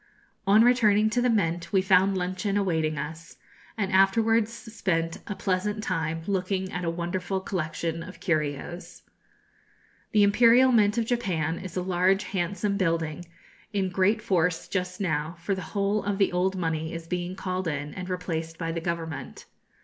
On returning to the Mint we found luncheon awaiting us, and afterwards spent a pleasant time looking at a wonderful collection of curios. The Imperial Mint of Japan is a large handsome building, in great force just now, for the whole of the old money is being called in and replaced by the government.